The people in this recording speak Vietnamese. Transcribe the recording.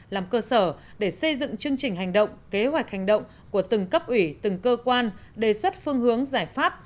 làm cơ sở để xây dựng chương trình hành động kế hoạch hành động của từng cấp ủy từng cơ quan đề xuất phương hướng giải pháp